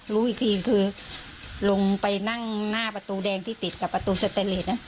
รู้อีกทีคือลงไปนั่งหน้าประตูแดงที่ติดกับประตูสเตนเลส